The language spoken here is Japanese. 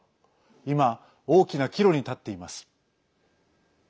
今、大きな岐路に立っています。